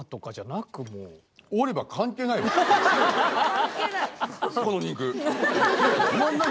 関係ない。